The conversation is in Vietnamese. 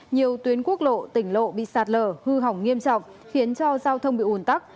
nhiều tuyến quốc lộ tỉnh lộ bị sạt lở hư hỏng nghiêm trọng khiến cho giao thông bị ủn tắc